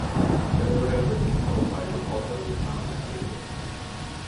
Sphalerite or zinc sulfide is also, common in the region.